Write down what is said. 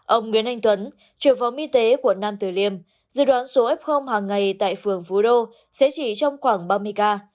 ông nguyễn anh tuấn trưởng phòng y tế quận nam tử liêm dự đoán số f hàng ngày tại phường phú đô sẽ chỉ trong khoảng ba mươi ca